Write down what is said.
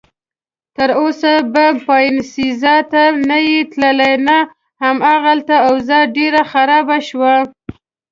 تراوسه به باینسیزا ته نه یې تللی؟ نه، هماغلته اوضاع ډېره خرابه شوه.